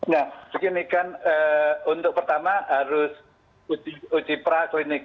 nah begini kan untuk pertama harus uji praklinik